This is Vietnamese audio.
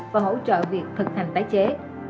và hỗ trợ việc thực hành tái chế